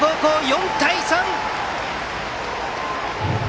４対３。